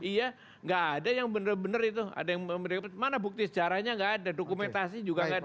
iya gak ada yang bener bener itu ada yang mana bukti sejarahnya gak ada dokumentasi juga gak ada